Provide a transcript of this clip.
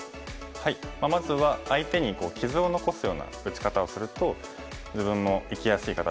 まずは相手に傷を残すような打ち方をすると自分の生きやすい形になります。